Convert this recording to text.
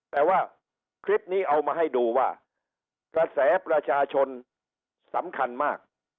แต่ว่าคลิปนี้เอามาให้ดูว่ากระแสประชาชนสำคัญมาก